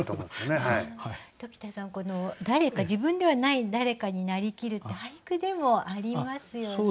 この誰か自分ではない誰かになりきるって俳句でもありますよね。